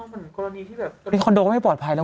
เหมือนกรณีที่แบบตอนนี้คอนโดก็ไม่ปลอดภัยแล้ว